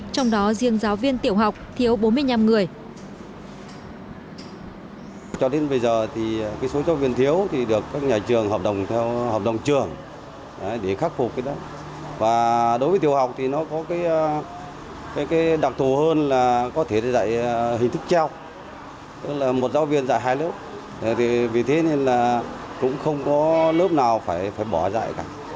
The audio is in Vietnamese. trong đó riêng giáo viên tiểu học thiếu bốn mươi năm người